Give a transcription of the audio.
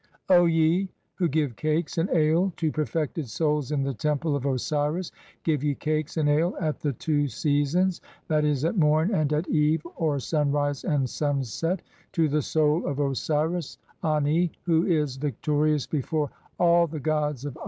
"O ye who give cakes and ale to perfected souls in the Temple "(35) of Osiris, give ye cakes and ale at the two seasons {i.e., "at morn and at eve, or sunrise and sunset) to the soul of Osiris "Ani, who is (36) victorious before all the gods of Abtu (Abydos), "and who is victorious with you."